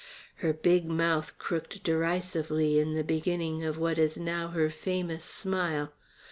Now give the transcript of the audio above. Her big mouth crooked derisively in the beginning of what is now her famous smile.